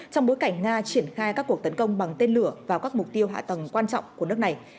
trong bối cảnh nga triển khai các cuộc tấn công bằng tên lửa vào các mục tiêu hạ tầng quan trọng của nước này